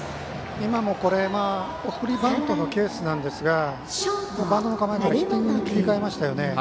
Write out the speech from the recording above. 今も、これは送りバントのケースなんですがバントの構えからヒッティングに切り替えましたよね。